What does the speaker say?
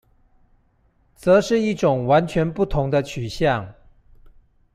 則是一種完全不同的取向